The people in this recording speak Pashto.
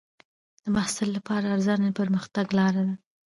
د محصل لپاره ارزونه د پرمختګ لار ده.